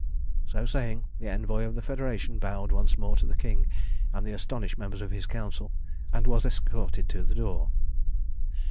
So saying, the envoy of the Federation bowed once more to the King and the astonished members of his Council, and was escorted to the door.